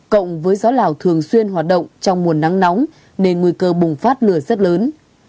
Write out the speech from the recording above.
cộng với gió lào thường xuyên hoạt động trong mùa nắng nóng nên nguy cơ bùng phát lửa rất lớn